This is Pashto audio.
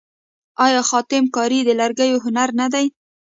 آیا خاتم کاري د لرګیو هنر نه دی؟